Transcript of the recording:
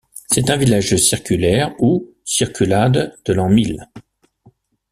C'est un village circulaire, ou circulade de l'an mil.